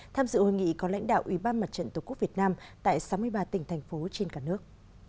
tham dự hội nghị có lãnh đạo ubndtqvn tại sáu mươi ba tỉnh thành phố trên cả nước